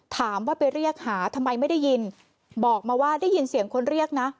ถามว่าไปเรียกหาทำไมไม่ได้ยินบอกมาว่าได้ยินเสียงคนเรียกนะ